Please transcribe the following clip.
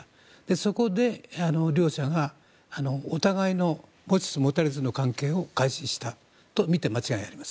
そこで、両者がお互いの持ちつ持たれつの関係を開始したとみて間違いないです。